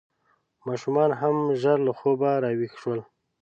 ماشومان هم ژر له خوبه راویښ شول.